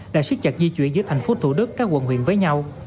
là siết chặt di chuyển giữa thành phố thủ đức các quận huyện với nhau